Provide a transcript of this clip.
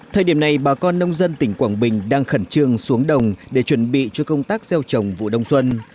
thời điểm này bà con nông dân tỉnh quảng bình đang khẩn trương xuống đồng để chuẩn bị cho công tác gieo trồng vụ đông xuân